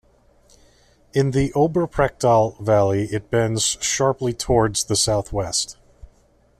In the "Oberprechtal" valley it bends sharply towards the southwest.